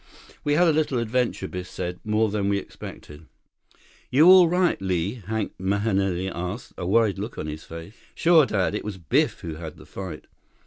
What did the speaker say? "We had a little adventure," Biff said. "More than we expected." "You're all right, Li?" Hank Mahenili asked, a worried look on his face. "Sure, Dad. It was Biff who had the fight."